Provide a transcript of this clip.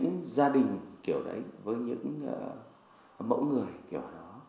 những gia đình kiểu đấy với những mẫu người kiểu đó